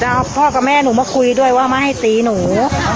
แล้วพ่อกับแม่หนูมาคุยด้วยว่ามาให้ตีหนู